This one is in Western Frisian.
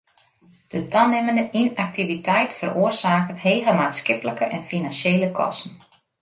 De tanimmende ynaktiviteit feroarsaket hege maatskiplike en finansjele kosten.